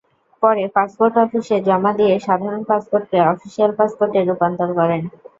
পরে পাসপোর্ট অফিসে জমা দিয়ে সাধারণ পাসপোর্টকে অফিশিয়াল পাসপোর্টে রূপান্তর করেন।